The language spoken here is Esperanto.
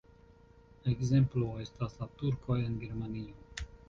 Ekzemplo estas la Turkoj en Germanio.